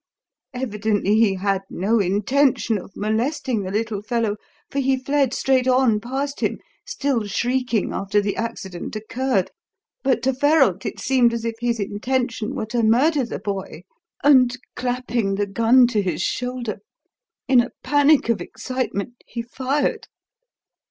Evidently he had no intention of molesting the little fellow, for he fled straight on past him, still shrieking after the accident occurred; but to Ferralt it seemed as if his intention were to murder the boy, and, clapping the gun to his shoulder, in a panic of excitement, he fired.